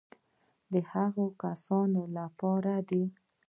د هغو کسانو لپاره دي.